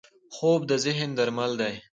خوب د ذهن درمل دی